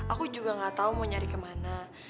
aku juga gak tahu mau nyari kemana